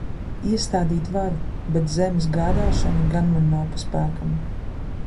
Iestādīt varu, bet zemes gādāšana gan man nav pa spēkam.